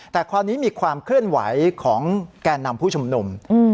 แต่คราวนี้มีความเคลื่อนไหวของแก่นำผู้ชุมนุม